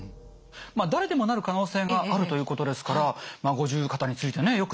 まあ誰でもなる可能性があるということですから五十肩についてね